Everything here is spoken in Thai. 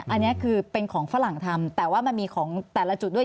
อันนี้คือเป็นของฝรั่งทำแต่ว่ามันมีของแต่ละจุดด้วย